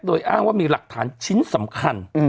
โดยอ้างว่ามีหลักฐานชิ้นสำคัญ